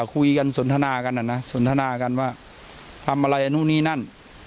คุยกันสนทนากันอ่ะนะสนทนากันว่าทำอะไรนู่นนี่นั่น